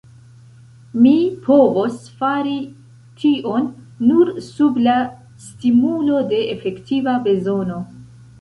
Mi povos fari tion nur sub la stimulo de efektiva bezono.